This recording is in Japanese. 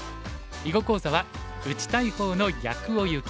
囲碁講座は「打ちたい方の逆をゆけ！」。